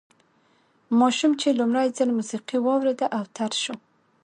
ماشوم چې لومړی ځل موسیقي واورېده اوتر شو